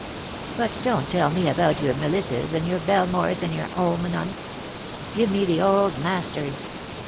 But don't tell me about your Millisses, and your Belmores, and your 'Olman'Unts. Give me the old masters.